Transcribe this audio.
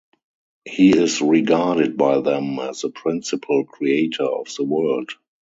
He is regarded by them as the principal creator of the world.